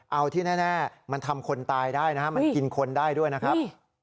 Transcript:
เอาที่แน่มันทำคนตายได้นะครับมันกินคนได้ด้วยนะครับ